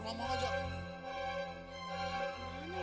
jangan lari lo